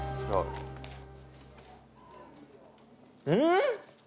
うん！？